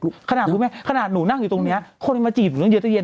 คุณแม่ทั้งดังอ่ะออกมีหน้าจอ